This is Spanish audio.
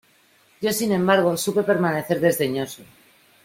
yo, sin embargo , supe permanecer desdeñoso.